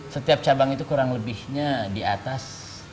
setiap cabang itu kurang lebihnya di atas tiga ratus